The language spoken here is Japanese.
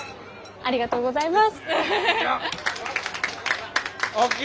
ありがとうございます。